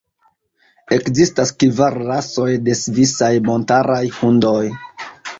Ekzistas kvar rasoj de svisaj montaraj hundoj.